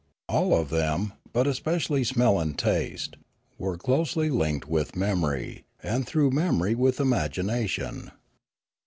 All of them, but especially smell and taste, were closely linked with memory, and through memory with imagi nation.